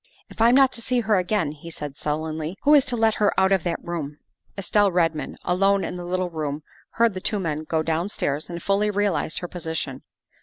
"If I'm not to see her again," he said sullenly, " who is to let her out of that room?" Estelle Redmond, alone in the little room, heard the two men go downstairs and fully realized her position.